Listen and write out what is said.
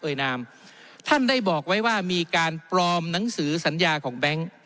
นามท่านได้บอกไว้ว่ามีการปลอมหนังสือสัญญาของแบงค์